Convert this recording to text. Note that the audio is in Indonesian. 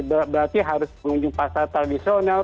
berarti harus pengunjung pasar tradisional